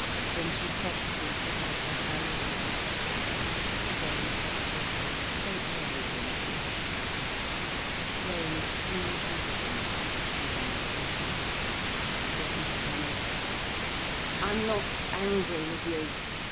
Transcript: Then she softly put out her hand and touched him, saying softly: "Don't be angry with me." A flame flew over him, and he was unconscious. Yet he stammered: "I'm not angry with you.